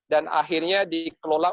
dan akhirnya dikelola